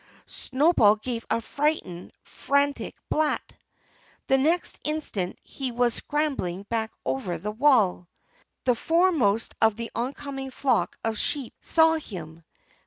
Snowball gave a frightened, frantic blat. The next instant he was scrambling back over the wall. The foremost of the oncoming flock of sheep saw him.